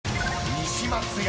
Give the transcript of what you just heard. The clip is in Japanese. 西松屋！